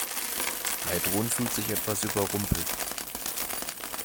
Heidrun fühlt sich etwas überrumpelt.